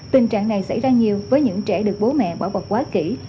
tình trạng này xảy ra nhiều với những trẻ được bố mẹ bảo vật quá kỹ